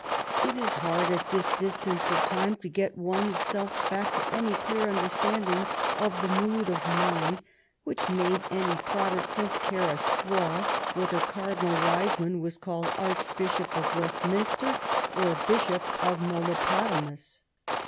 It is hard at this dis tance of time to get one's self back to any clear un derstanding of the mood of mind which made any Protestant care a straw whether Cardinal Wiseman was called Archbishop of Westminster or Bishop of Melipotamus.